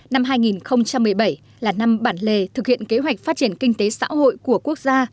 năm hai nghìn một mươi bảy là năm bản lề thực hiện kế hoạch phát triển kinh tế xã hội của quốc gia